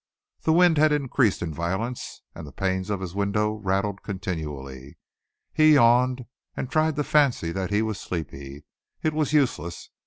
The wind had increased in violence, and the panes of his window rattled continually. He yawned and tried to fancy that he was sleepy. It was useless.